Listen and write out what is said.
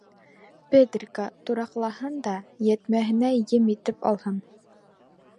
— Педрико тураҡлаһын да йәтмәһенә ем итеп алһын.